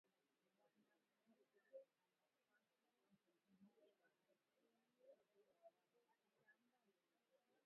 Mwanamuke ana pashwa naye akuye na mashamba mingi